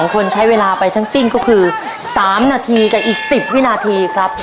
คนใช้เวลาไปทั้งสิ้นก็คือ๓นาทีกับอีก๑๐วินาทีครับ